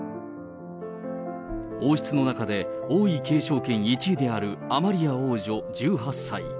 王室の中で、王位継承権１位であるアマリア王女１８歳。